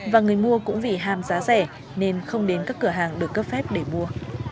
và người mua cũng vì ham giá rẻ nên không đến các cửa hàng được cấp phép để mua